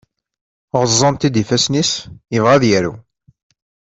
Ɣeẓẓan-t-id yifassen-is, yebɣa ad yaru.